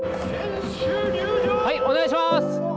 はいお願いします！